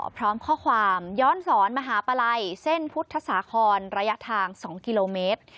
พร้อมข้อความย้อนสอนมหาปลัยเส้นพุทธศาครระยะทาง๒กิโลเมตร